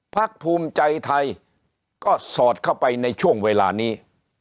พักภูมิใจไทยก็สอดเข้าไปในช่วงเวลานี้